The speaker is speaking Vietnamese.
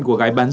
của gái bán dâm